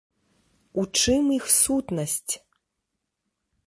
У чым іх сутнасць?